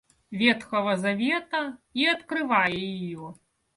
Ветхого Завета и открывая ее.